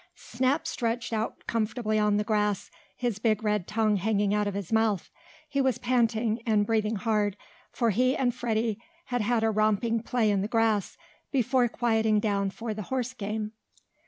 Snap stretched out comfortably on the grass, his big red tongue hanging out of his mouth. He was panting, and breathing hard, for he and Freddie had had a romping play in the grass, before quieting down for the horse game.